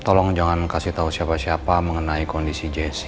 tolong jangan kasih tahu siapa siapa mengenai kondisi jessi